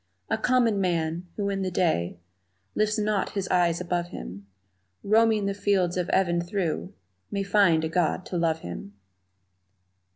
A common man, who in the day Lifts not his eyes above him, Roaming the fields of even through May find a God to love him!